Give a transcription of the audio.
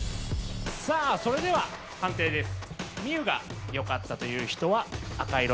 さあそれでは判定です。